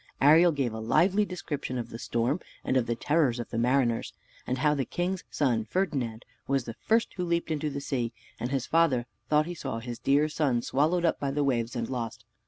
Ariel gave a lively description of the storm, and of the terrors of the mariners; and how the king's son, Ferdinand, was the first who leaped into the sea; and his father thought he saw his dear son swallowed up by the waves and lost.